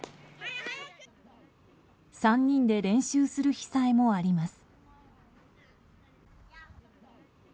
３人で練習する日さえもあります。